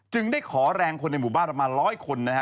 ได้ขอแรงคนในหมู่บ้านประมาณร้อยคนนะฮะ